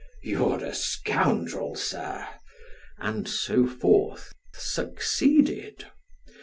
" You're a scoundrel, sir !" and so forth, succeeded.